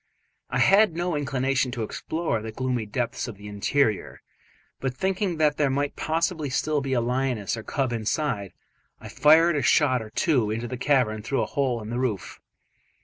I had no inclination to explore the gloomy depths of the interior, but thinking that there might possibly still be a lioness or cub inside, I fired a shot or two into the cavern through a hole in the roof.